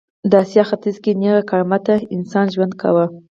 د اسیا ختیځ کې نېغ قامته انسان ژوند کاوه.